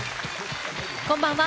こんばんは。